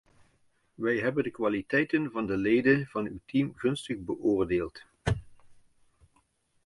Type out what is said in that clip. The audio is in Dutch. Wij hebben de kwaliteiten van de leden van uw team gunstig beoordeeld.